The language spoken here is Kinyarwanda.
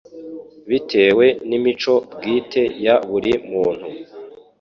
Bitewe n'imico bwite ya buri muntu